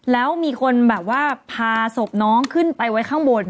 แล้วมีคนแบบว่าพาศพน้องขึ้นไปไว้ข้างบน